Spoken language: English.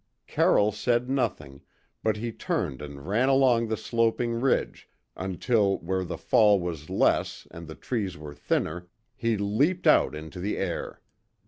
Carroll said nothing, but he turned and ran along the sloping ridge, until where the fall was less and the trees were thinner he leaped out into the air.